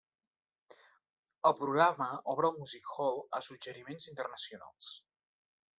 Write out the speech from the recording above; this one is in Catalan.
El programa obre el music-hall a suggeriments internacionals.